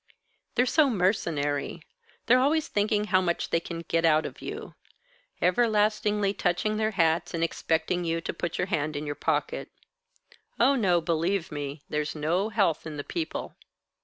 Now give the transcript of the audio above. They're so mercenary. They're always thinking how much they can get out of you everlastingly touching their hats and expecting you to put your hand in your pocket. Oh, no, believe me, there's no health in the People.